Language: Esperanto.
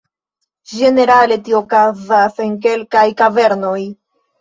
Ĝenerale tio okazas en kelkaj kavernoj.